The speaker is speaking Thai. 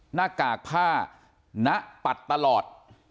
หน้ากากผ้าณปัดตลอด